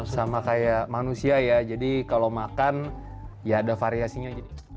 sama kayak manusia ya jadi kalau makan ya ada variasinya